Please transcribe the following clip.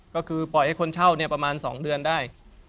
ก็คือปล่อยให้คนเช่าประมาณ๒เดือนได้